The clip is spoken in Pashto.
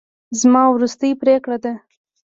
زما وروستۍ پرېکړه ده.